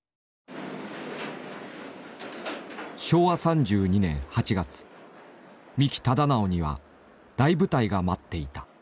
昭和３２年８月三木忠直には大舞台が待っていた。